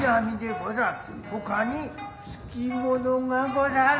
ほかにつきものがござる。